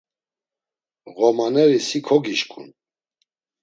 Ğomaneri si kogişǩun.